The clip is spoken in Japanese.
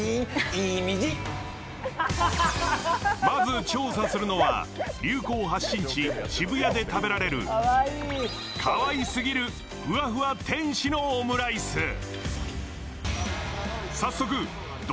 まず調査するのは流行発信地・渋谷で食べられるかわいすぎるふわふわ天使のオムライス。